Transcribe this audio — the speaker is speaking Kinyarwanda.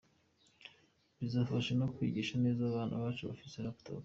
Bizadufasha no kwigisha neza abana bacu bafite laptops.